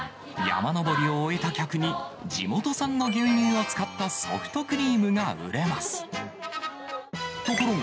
山登りを終えた客に、地元産の牛乳を使ったソフトクリームが売れます。